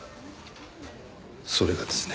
それがですね。